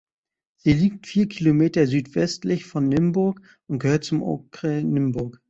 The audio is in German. Sie liegt vier Kilometer südwestlich von Nymburk und gehört zum Okres Nymburk.